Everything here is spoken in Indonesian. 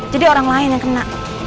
jadi orang lain yang kena